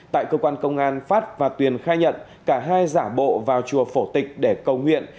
tại cơ quan công an phát và tuyền khai nhận cả hai giả bộ vào chùa phổ tịch để cầu nguyện